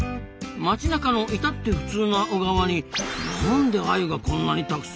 街なかの至って普通な小川になんでアユがこんなにたくさんいるんですかね？